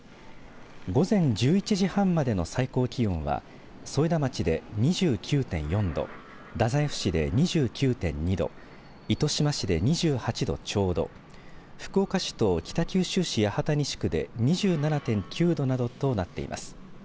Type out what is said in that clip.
午前１１時半までの最高気温は添田町で２９．４度太宰府市で２９．２度糸島市で２８度ちょうど福岡市と北九州市八幡西区で２７．９度などとなっています。